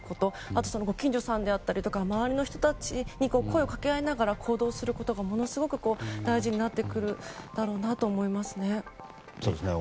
あとは、ご近所さんであったり周りの人たちと声を掛け合いながら行動することがものすごく大事になってくると思いますね。